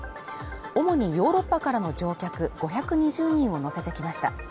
主にヨーロッパからの乗客５２０人を乗せてきました。